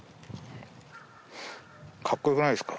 かっこよくないですか？